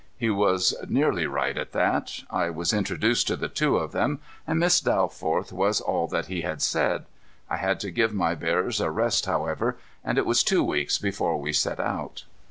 He was nearly right at that. I was introduced to the two of them, and Miss Dalforth was all that he had said. I had to give my bearers a rest, however, and it was two weeks before we set out.